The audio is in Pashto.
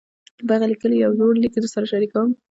پۀ هغه ليکلے يو زوړ ليک درسره شريکووم -